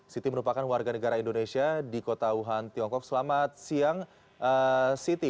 siti merupakan warga negara indonesia di kota wuhan tiongkok selamat siang siti